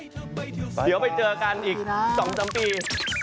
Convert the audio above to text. เดี๋ยวไปเจอกันอีก๒๓ปี